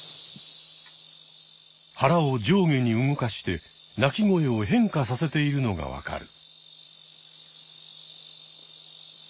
腹を上下に動かして鳴き声を変化させているのがわかる。